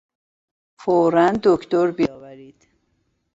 فورا دکتر بیاورید!